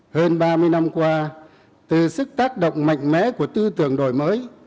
hơn ba mươi năm qua từ sức tác động mạnh mẽ của tư tưởng đổi mới